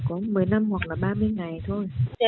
mà lưu trú tối đa được có một mươi năm hoặc là ba mươi ngày thôi